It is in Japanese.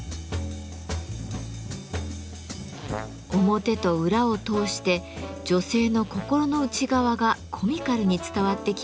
表と裏を通して女性の心の内側がコミカルに伝わってきます。